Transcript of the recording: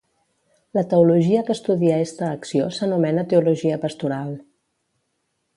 La teologia que estudia esta acció s'anomena teologia pastoral.